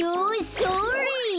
それ！